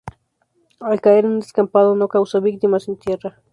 Al caer en un descampado, no causó víctimas en tierra.